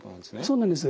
そうなんです。